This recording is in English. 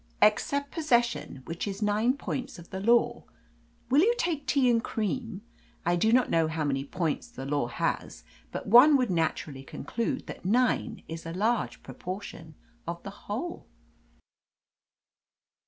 "Except possession, which is nine points of the law. Will you take tea, and cream? I do not know how many points the law has, but one would naturally conclude that nine is a large proportion of the whole."